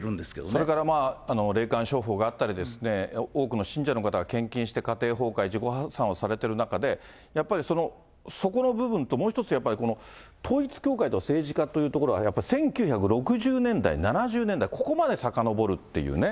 それからまあ、霊感商法があったり、多くの信者の方が献金して、家庭崩壊、自己破産をされている中で、やっぱりそこの部分と、もう一つやっぱり統一教会と政治家というところはやっぱり１９６０年代、７０年代、ここまでさかのぼるっていうね。